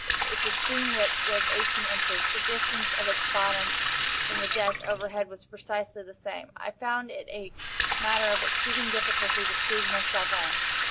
Its extreme width was eighteen inches. The distance of its bottom from the deck overhead was precisely the same. I found it a matter of exceeding difficulty to squeeze myself in.